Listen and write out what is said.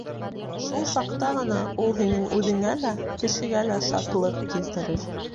Шул саҡта ғына ул һинең үҙеңә лә, кешегә лә шатлыҡ килтерер.